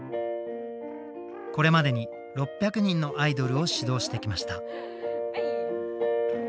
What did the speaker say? これまでに６００人のアイドルを指導してきました。